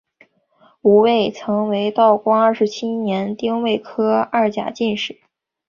吴慰曾为道光二十七年丁未科二甲进士。